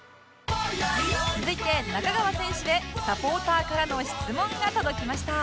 続いて仲川選手へサポーターからの質問が届きました